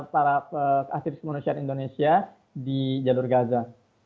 para aktivis kemanusiaan indonesia di jalur gaza